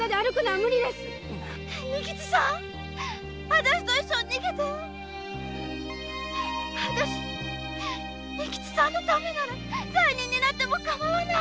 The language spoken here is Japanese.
私と一緒に逃げて私仁吉っつぁんのためなら罪人になってもかまわない。